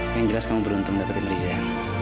yang jelas kamu beruntung mendapatin riza